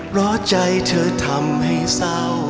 ล้อใจเธอทำให้เศร้า